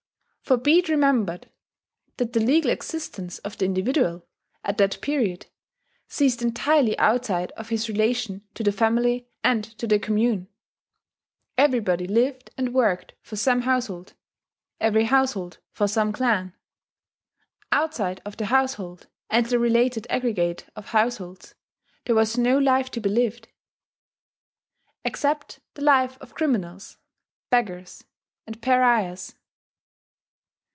For be it remembered that the legal existence of the individual, at that period, ceased entirely outside of his relation to the family and to the commune. Everybody lived and worked for some household; every household for some clan; outside of the household, and the related aggregate of households, there was no life to be lived except the life of criminals, beggars, and pariahs.